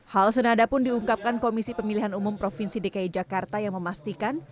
hal senada pun diungkapkan komisi pemilihan umum provinsi dki jakarta yang memastikan